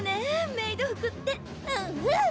メイド服ってうんうん